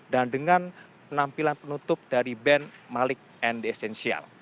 dan dengan penampilan penutup dari band malik and the essential